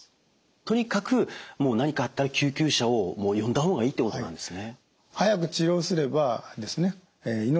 とにかくもう何かあったら救急車を呼んだ方がいいということなんですね。